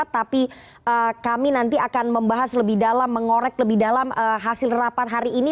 tapi kami nanti akan membahas lebih dalam mengorek lebih dalam hasil rapat hari ini